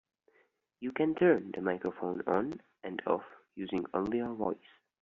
You can turn the microphone on and off using only your voice.